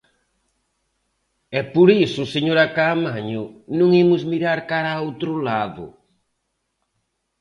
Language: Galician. E, por iso, señora Caamaño, non imos mirar cara a outro lado.